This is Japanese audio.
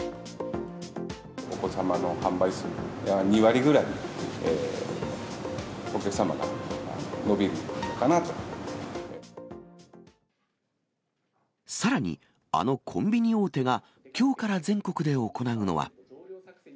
お子様の販売数は２割ぐらい、さらに、あのコンビニ大手が、きょうから全国で行うのは。